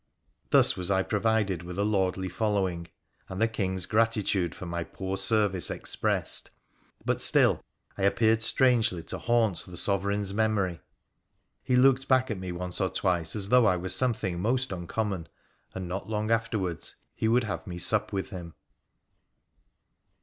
Thus was I provided with a lordly following, and the King's gratitude for my poor service expressed ; but still I appeared strangely to haunt the Sovereign's memory. Ho looked back at me once or twice as though I were something most uncommon, and not long afterwards he would have me sup with him.